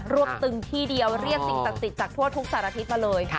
ร่วมตึงที่เดียวเรียกสิงตะติดจากทั่วทุกสารพีศมาเลย